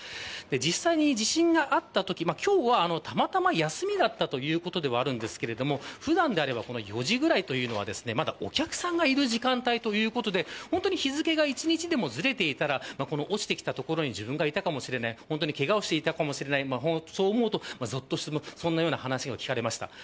実際に、地震があったとき今日は、たまたま休みだったということではありますが普段であれば４時ぐらいというのはまだお客さんがいる時間帯ということで日付が１日でもずれていたら落ちてきた所に従業員がいたかもしれないけがをしていたかもしれないそう思うと、ぞっとするという話を聞きました。